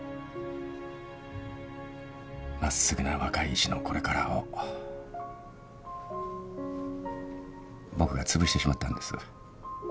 真っすぐな若い医師のこれからを僕がつぶしてしまったんです。